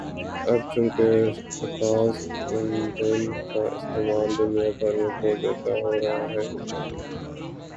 اب چونکہ رکاز ایندھن کا استعمال دنیا بھر میں بہت زیادہ ہورہا ہے